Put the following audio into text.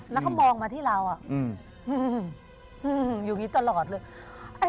แล้วก็มองมาที่เราอยู่อย่างนี้ตลอดเลย